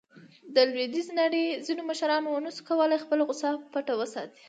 د لویدیځې نړۍ ځینو مشرانو ونه شو کولاې خپله غوصه پټه وساتي.